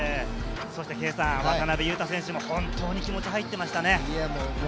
渡邊雄太選手も本当に気持ちが入っていましたね。